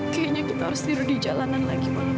kayaknya kita harus tidur di jalanan lagi malam ini